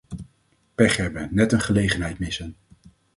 Pech hebben, net een gelegenheid missen.